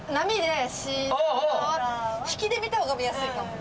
引きで見た方が見やすいかも。